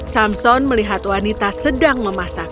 samson melihat wanita sedang memasak